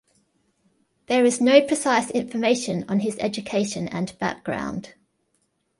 There is no precise information on his education and background.